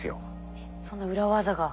えっそんな裏技が。